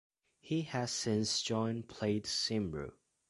He has since joined Plaid Cymru.